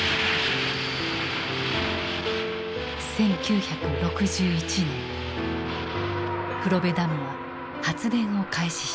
１９６１年黒部ダムは発電を開始した。